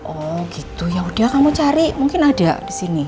oh gitu yaudah kamu cari mungkin ada di sini